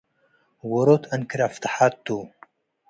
ዎሮት እንክር አፍተሓት ቱ ።